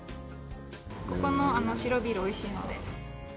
ここの白ビールおいしいので。